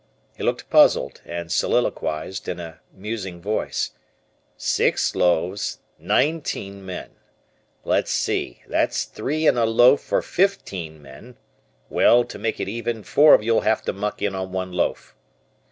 He looked puzzled and soliloquized in a musing voice: "Six loaves, nineteen men. Let's see, that's three in a loaf for fifteen men, well to make it even, four of you'll have to muck in on one loaf."